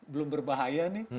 belum berbahaya nih